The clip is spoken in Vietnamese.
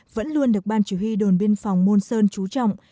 vẫn luôn được ban chủ huy đồn biên phòng môn sơn chú trọng